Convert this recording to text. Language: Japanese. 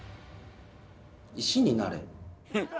石になれ？